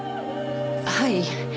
はい。